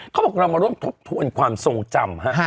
เขาบอกเรามาร่วมทบทวนความทรงจำฮะ